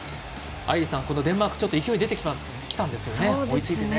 愛莉さん、デンマークに勢いが出てきたんですよね。